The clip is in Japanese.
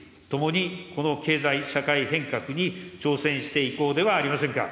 共にこの経済社会変革に挑戦していこうではありません。